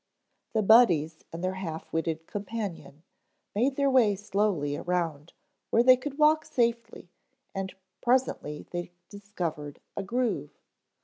The Buddies and their half witted companion made their way slowly around where they could walk safely and presently they discovered a groove.